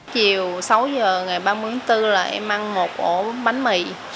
chiều sáu giờ ngày ba mướn bốn là em ăn một ổ bánh mì